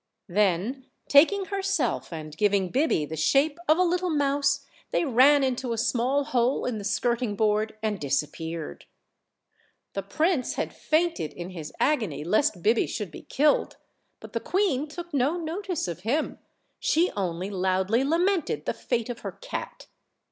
Then taking herself and giving Biby the shape of a little mouse, they ran into a small hole in the skirting board and disappeared. The prince had fainted in his agony lest Biby should be killed; but the queen took no notice of him, she only loudly lamented the fate of her cat.